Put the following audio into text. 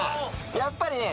やっぱりね